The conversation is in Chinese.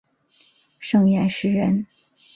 盛彦师人。